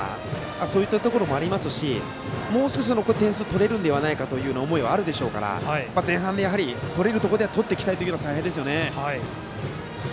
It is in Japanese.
そういったところもありますしもう少し点数を取れるのではないかという思いはあるでしょうから前半で取れるところでは取っていきたいという采配ですよね。